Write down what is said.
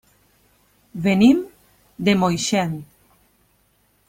Venim de Moixent.